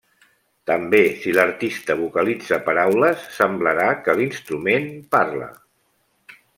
També, si l'artista vocalitza paraules, semblarà que l'instrument parla.